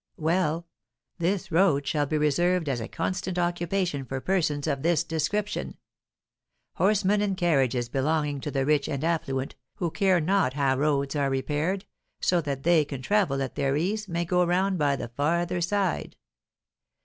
Well, this road shall be reserved as a constant occupation for persons of this description. Horsemen and carriages belonging to the rich and affluent, who care not how roads are repaired, so that they can travel at their ease, may go round by the farther side.'